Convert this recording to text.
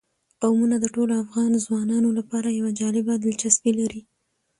قومونه د ټولو افغان ځوانانو لپاره یوه جالبه دلچسپي لري.